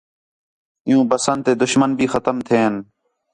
عِیُّوں بسنت تے دُشمن بھی ختم تھئین